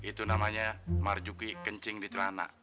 itu namanya marjuki kencing di celana